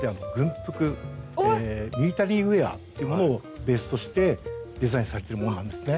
ミリタリーウエアっていうものをベースとしてデザインされてるものなんですね。